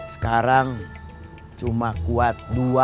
sekarang cuma kuat dua